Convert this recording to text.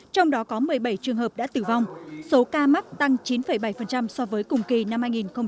trong đó có một mươi bảy trường hợp đã tử vong số ca mắc tăng chín bảy so với cùng kỳ năm hai nghìn một mươi tám